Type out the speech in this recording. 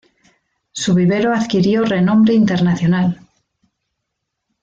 Su vivero adquirió renombre internacional.